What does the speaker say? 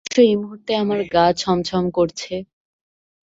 অবশ্য এই মুহূর্তে আমার গা ছমছম করছে।